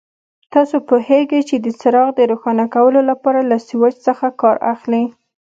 تاسو پوهېږئ چې د څراغ د روښانه کولو لپاره له سویچ څخه کار اخلي.